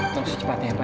tolong secepatnya pak ya